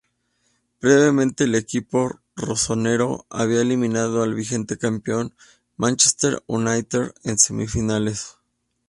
Previamente el equipo "rossonero" había eliminado al vigente campeón, Manchester United, en semifinales.